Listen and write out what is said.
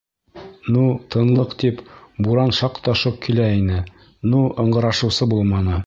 Ну, тынлыҡ тип, буран шаҡ та шоҡ килә ине, ну, ыңғырашыусы булманы.